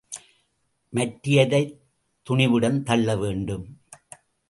மற்றையதைத் துணிவுடன் தள்ளவேண்டும்.